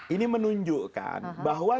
ini menunjukkan bahwa